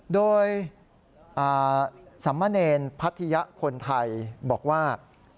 โดยสำมะเนรพัทยะคนไทยบอกว่า